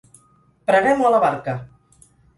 Preguem o a la barca!